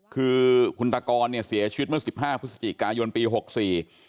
คือคุณตากรเนี่ยเสียชีวิตเมื่อสิบห้าพฤศจิกายนปีหกสี่